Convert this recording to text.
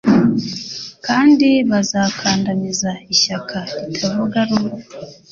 kandi bazakandamiza ishyaka ritavuga rumwe